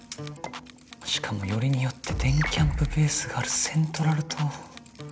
しかもよりによって電キャんぷベースがあるセントラル島。